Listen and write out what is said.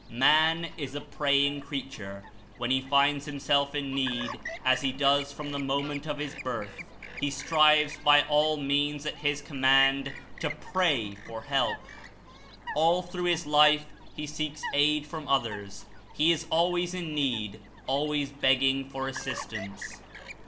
Man is a praying creature. When he finds him self in need, as he does from the moment of his birth, he strives by all means at his command to "pray'' for help. All through his life he seeks aid Prayer from Others; he is always in need, always begging for assistance.